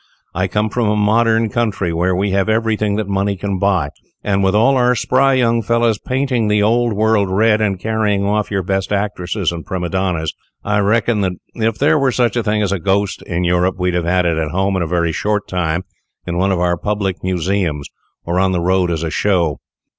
I have come from a modern country, where we have everything that money can buy; and with all our spry young fellows painting the Old World red, and carrying off your best actors and prima donnas, I reckon that if there were such a thing as a ghost in Europe, we'd have it at home in a very short time in one of our public museums, or on the road as a show."